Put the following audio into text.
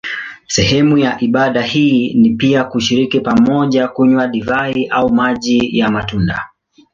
Sehemu ya ibada hii ni pia kushiriki pamoja kunywa divai au maji ya matunda.